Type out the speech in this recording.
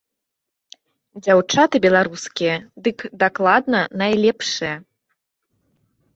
Дзяўчаты беларускія дык дакладна найлепшыя.